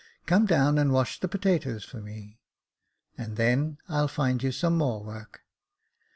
Come down and wash the potatoes for me, and then I'll find you some more work.